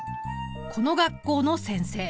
この学校の先生！